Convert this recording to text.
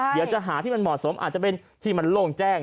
เดี๋ยวจะหาที่มันเหมาะสมอาจจะเป็นที่มันโล่งแจ้ง